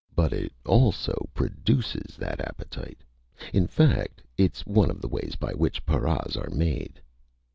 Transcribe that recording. But it also produces that appetite. In fact, it's one of the ways by which paras are made."